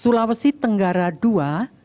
sulawesi tenggara ii